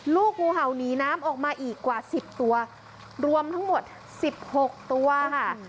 ลูกงูเห่านี้น้ำออกมาอีกกว่าสิบตัวรวมทั้งหมดสิบหกตัวค่ะ